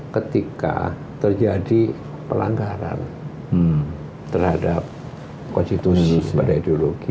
ketika terjadi pelanggaran terhadap konstitusi pada ideologi